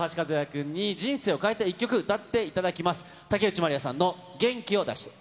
君に人生を変えた一曲、歌っていただきます。